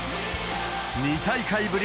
２大会ぶり